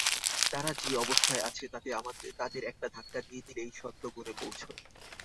তারা যে অবস্থায় আছে, তাতে তাদের একটা ধাক্কা দিয়ে দিলেই সত্ত্বগুণে পৌঁছয়।